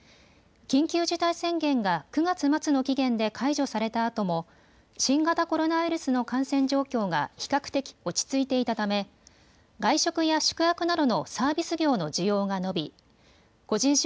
緊急事態宣言が９月末の期限で解除されたあとも新型コロナウイルスの感染状況が比較的、落ち着いていたため外食や宿泊などのサービス業の需要が伸び個人